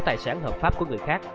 tài sản hợp pháp của người khác